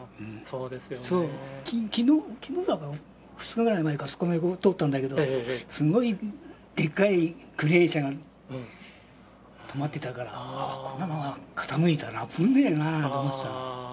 きのうか、２日ぐらい前か、あそこら辺、通ったんだけど、すごいでかいクレーン車が止まってたから、こんなのが傾いたらあぶねぇなあなんて思ってたの。